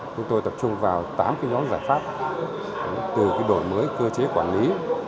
chúng tôi tập trung vào tám nhóm giải pháp từ đổi mới cơ chế quản lý